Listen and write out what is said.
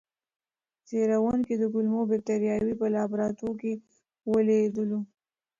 څېړونکي د کولمو بکتریاوې په لابراتوار کې ولېږدولې.